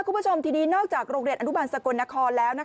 คุณผู้ชมทีนี้นอกจากโรงเรียนอนุบันสกลนครแล้ว